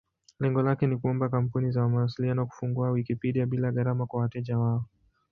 Lengo lake ni kuomba kampuni za mawasiliano kufungua Wikipedia bila gharama kwa wateja wao.